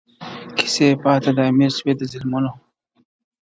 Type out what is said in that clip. کیسې پاته د امیر سوې د ظلمونو،